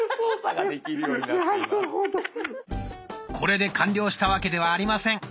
これで完了したわけではありません。